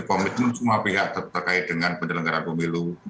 komitmen semua pihak terkait dengan penyelenggaraan pemilu dua ribu dua puluh empat